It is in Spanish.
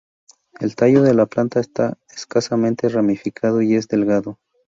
El tallo de la planta está escasamente ramificado, y es delgado.